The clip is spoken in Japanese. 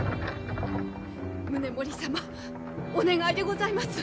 宗盛様お願いでございます。